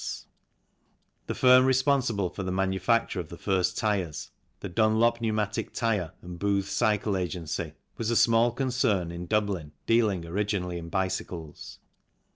54 THE CYCLE INDUSTRY The firm responsible for the manufacture of the first tyres the Dunlop Pneumatic Tyre and Booth's Cycle Agency was a small concern in Dublin dealing originally in bicycles.